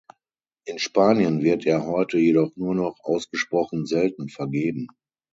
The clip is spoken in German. In Spanien wird er heute jedoch nur noch ausgesprochen selten vergeben.